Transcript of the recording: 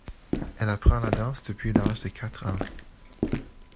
Elle apprend la danse depuis l'âge de quatre ans.